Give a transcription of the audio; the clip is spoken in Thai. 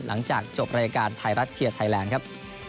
หลังจากจบรายการไทยรัฐเชียร์ไทยแลนด์ครับ